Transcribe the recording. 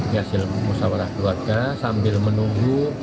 hasil musawarah keluarga sambil menunggu